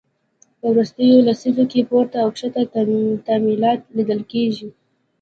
په وروستیو لسیزو کې پورته او کښته تمایلات لیدل کېږي